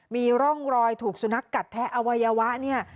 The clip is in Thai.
มีร่องรอยถูกสุนัขกัดแทะอวัยวะเนี่ย